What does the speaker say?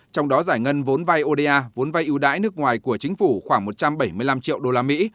trong đó giải ngân vốn vay oda vốn vay ưu đãi nước ngoài của chính phủ khoảng một trăm bảy mươi năm triệu đô la mỹ